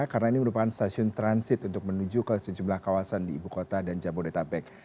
karena ini merupakan stasiun transit untuk menuju ke sejumlah kawasan di ibu kota dan jambu detabek